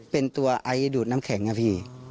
เป็นตัวไอดูดน้ำแข็งนะพี่